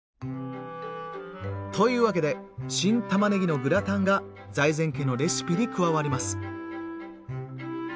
というわけで「新たまねぎのグラタン」が財前家のレシピに加わります。